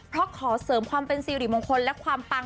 เพราะขอเสริมความเป็นสิริมงคลและความปัง